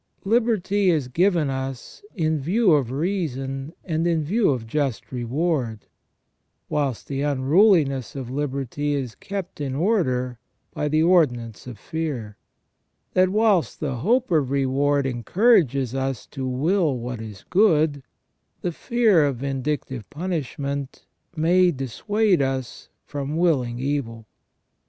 Liberty is given us in view of reason and in view of just reward, whilst the unruliness of liberty is kept in order by the ordinance of fear ; that whilst the hope of reward encourages us to will what is good, the fear of vindictive punishment may dissuade us from willing evil.